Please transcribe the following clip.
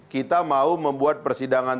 kita mau membuat persidangan